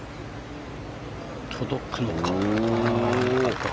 届くのか。